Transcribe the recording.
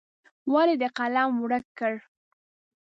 ولې دې قلم ورک کړ.